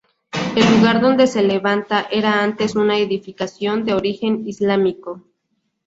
El lugar donde se levanta era antes una edificación de origen islámico.